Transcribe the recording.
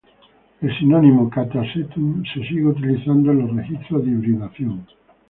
El sinónimo "Catasetum" se sigue utilizando en los registros de hibridación.